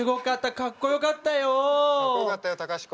かっこよかったよ隆子。